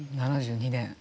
７２年。